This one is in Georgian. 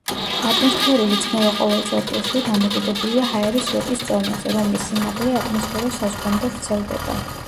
ატმოსფერული წნევა ყოველ წერტილში დამოკიდებულია ჰაერის სვეტის წონაზე, რომლის სიმაღლე ატმოსფეროს საზღვრამდე ვრცელდება.